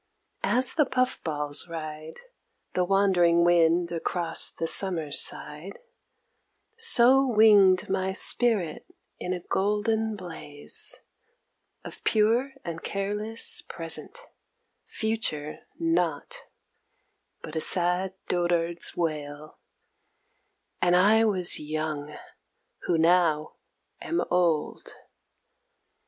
As the puff balls ride, The wandering wind across the Summer's side So winged my spirit in a golden blaze Of pure and careless Present Future naught But a sad dotard's wail and I was young, Who now am old.